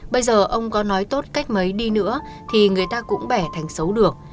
bây giờ ông có nói tốt cách mấy đi nữa thì người ta cũng bẻ thành xấu được